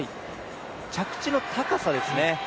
着地の高さですね